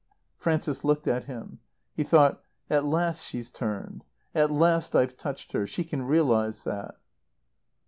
Frances looked at him. He thought: "At last she's turned; at last I've touched her; she can realize that."